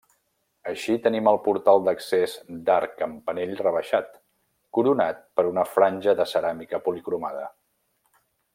Així tenim el portal d’accés d’arc carpanell rebaixat, coronat per una franja de ceràmica policromada.